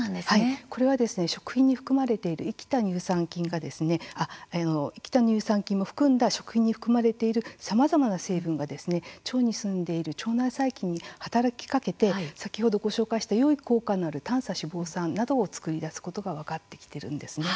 これは、食品に含まれている生きた乳酸菌が生きた乳酸菌も含んだ食品に含まれているさまざまな成分が腸にすんでいる腸内細菌に働きかけて先ほどご紹介したよい効果のある短鎖脂肪酸などを作り出すことが分かってきているんですね。